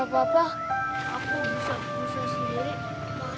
hah gak apa apa